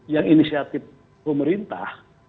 yang inisiatif pemerintah